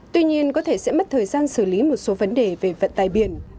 tuy nhiên có thể sẽ mất thời gian xử lý một số vấn đề về vận tài biển